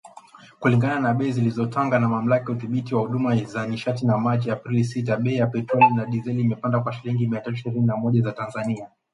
Kulingana na bei zilizotanga na Mamlaka ya Udhibiti wa Huduma za Nishati na Maji Aprili sita, bei ya petroli na dizeli imepanda kwa shilingi mia tatu ishirini na moja za Tanzania